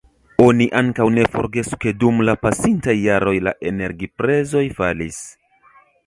Oni ankaŭ ne forgesu ke dum la pasintaj jaroj la energiprezoj falis.